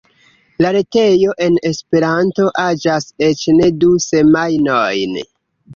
La retejo en Esperanto aĝas eĉ ne du semajnojn!